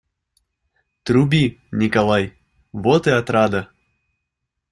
Труби, Николай, вот и ограда.